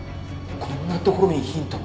こんな所にヒント